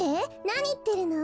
なにいってるの？